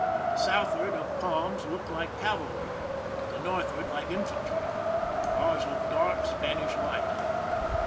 To Sd of palms look like cavalry— to the Nd like infantry. Ours look dark— Span ish light.